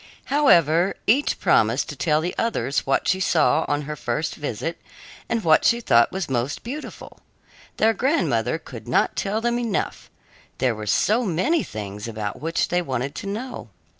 However, each promised to tell the others what she saw on her first visit and what she thought was most beautiful. Their grandmother could not tell them enough there were so many things about which they wanted to know.